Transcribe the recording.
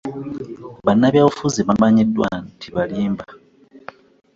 Bannabyabufuzi bamanyiddwa nti balimba.